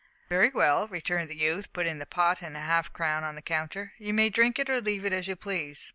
"Very well," returned the youth, putting the pot and a half crown on the counter, "you may drink it or leave it as you please.